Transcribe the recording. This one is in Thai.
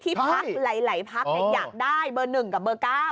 ที่พักไหลไหลพักอยากได้เบอร์หนึ่งกับเบอร์เก้า